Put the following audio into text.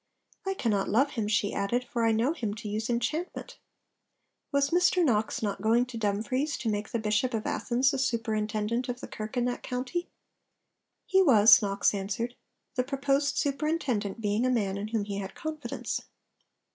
'I cannot love him,' she added, 'for I know him to use enchantment.' Was Mr Knox not going to Dumfries, to make the Bishop of Athens the superintendent of the Kirk in that county? He was, Knox answered; the proposed superintendent being a man in whom he had confidence.